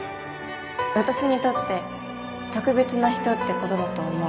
私にとって特別な人ってことだと思う